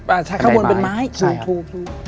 อ่าถ้าเข้าบนเป็นไม้อยู่ถูก